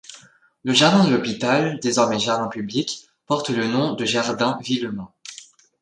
Le jardin de l'hôpital, désormais jardin public porte le nom de jardin Villemin.